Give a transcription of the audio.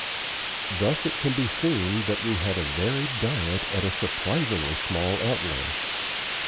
Thus it can be seen that we had a varied diet at a surprisingly small outlay.